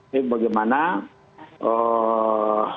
tapi bagaimana lebih